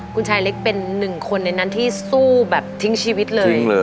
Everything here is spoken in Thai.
คุณชายเล็กเป็นหนึ่งคนในนั้นที่สู้แบบทิ้งชีวิตเลย